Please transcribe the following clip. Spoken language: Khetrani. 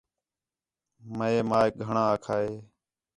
مئے ماک گھݨاں آکھا ہِے